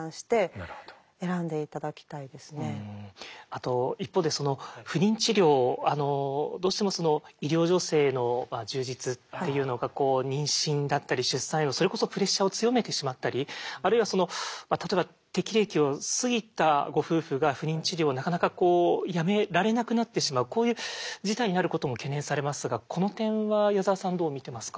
あと一方で不妊治療どうしても医療助成の充実っていうのがこう妊娠だったり出産へのそれこそプレッシャーを強めてしまったりあるいはその例えば適齢期を過ぎたご夫婦が不妊治療をなかなかこうやめられなくなってしまうこういう事態になることも懸念されますがこの点は矢沢さんどう見てますか？